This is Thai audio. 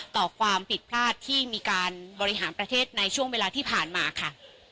ต่อความผิดพลาดที่มีการบริหารประเทศในช่วงเวลาที่ผ่านมาค่ะ